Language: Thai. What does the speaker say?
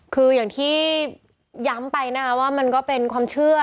คืออย่างที่ย้ำไปนะว่ามันก็เป็นความเชื่อ